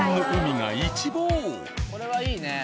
これはいいね。